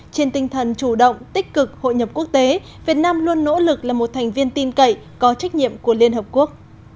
trên tinh thần chủ động tích cực hội nhập quốc tế việt nam luôn nỗ lực là một thành viên tin cậy có trách nhiệm của liên hợp quốc